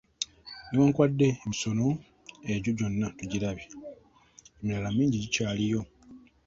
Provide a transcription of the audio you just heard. Ne wankubadde emisono egyo gyonna tugirabye, emirala mingi gikyaliyo.